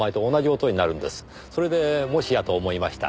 それでもしやと思いました。